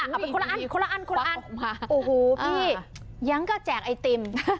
เอาเป็นคนละอันคนละอันคนอันโอ้โหพี่ยังก็แจกไอติม